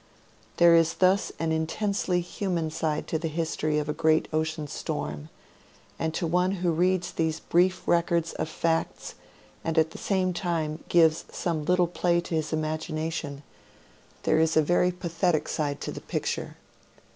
There is thus an in tensely human side to the history of a great ocean storm, and to one who reads these brief records 'of facts and at the same time gives some little play to his imagination, there is a very pathetic side to the picture.